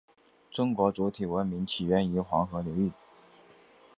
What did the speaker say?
中国主体文明起源于黄河流域。